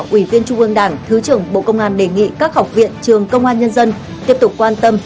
ủy viên trung ương đảng thứ trưởng bộ công an đề nghị các học viện trường công an nhân dân tiếp tục quan tâm